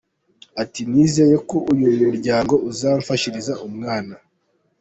Ati “Nizeye ko uyu muryango uzamfashiriza umwana.